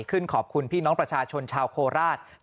ขอบคุณพี่น้องประชาชนชาวโคราช